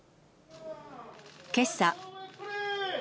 けさ。